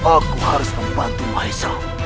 aku harus membantu mahesa